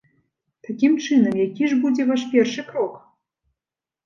Такім чынам, які ж будзе ваш першы крок?